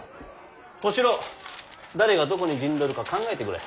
小四郎誰がどこに陣取るか考えてくれ。